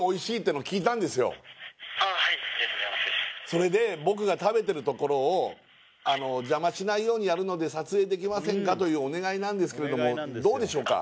それで僕が食べてるところを邪魔しないようにやるので撮影できませんか？というお願いなんですけれどもどうでしょうか？